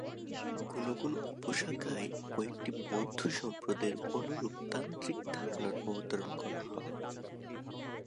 কোনো কোনো উপশাখায় কয়েকটি বৌদ্ধ সম্প্রদায়ের অনুরূপ তান্ত্রিক ধারণার অবতারণা করা হয়েছে।